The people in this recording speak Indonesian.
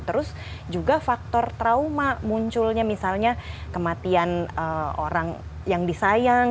terus juga faktor trauma munculnya misalnya kematian orang yang disayang